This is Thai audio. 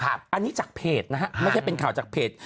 อันนี้จากเพจนะฮะไม่ใช่เป็นข่าวจากเพจ